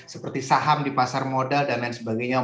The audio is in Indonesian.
seperti saham di pasar modal dan lain sebagainya